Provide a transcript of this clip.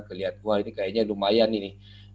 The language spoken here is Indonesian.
kelihat wah ini kayaknya lumayan ini